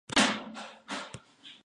El disco pasó sin pena ni gloria.